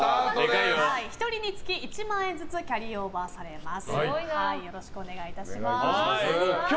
１人につき１万円ずつキャリーオーバーされます。